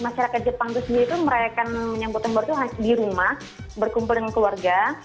masyarakat jepang itu sendiri itu merayakan menyambut tahun baru itu di rumah berkumpul dengan keluarga